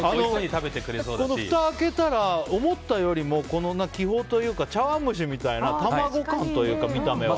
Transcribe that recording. ふたを開けたら思ったよりも気泡というか茶碗蒸しみたいな卵感というか、見た目は。